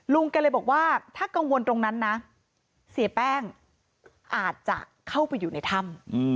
ลุงแกเลยบอกว่าถ้ากังวลตรงนั้นนะเสียแป้งอาจจะเข้าไปอยู่ในถ้ำ